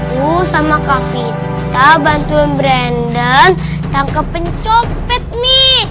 aku sama kak vita bantuin brandon tangkap pencopet mi